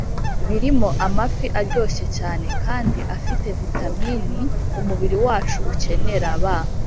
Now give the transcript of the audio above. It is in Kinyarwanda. birimo amafi aryoshye cyane kandi afite vitamini umubiri wacu ukenera. B